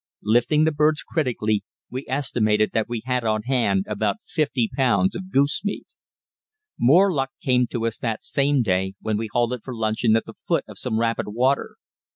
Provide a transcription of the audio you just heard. Lifting the birds critically, we estimated that we had on hand about fifty pounds of goose meat. More luck came to us that same day when we halted for luncheon at the foot of some rapid water.